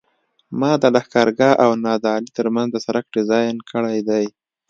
ما د لښکرګاه او نادعلي ترمنځ د سرک ډیزاین کړی دی